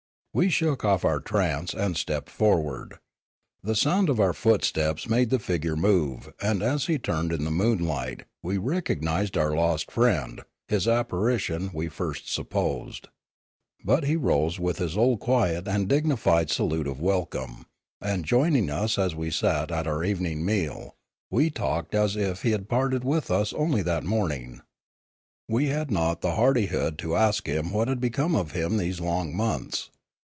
We shook off our trance, and stepped forward. The sound of our footsteps made the figure move and as he turned in the moonlight we recognised our lost friend (his apparition, we first supposed). But he rose with his old quiet and dignified salute of welcome, and joining 291 292 Limanora us as we sat at our evening meal, we talked as if he had parted with us only that morning. We had not the hardihood to ask him what had become of him these lopg months.